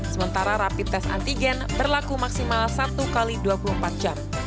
sementara rapid test antigen berlaku maksimal satu x dua puluh empat jam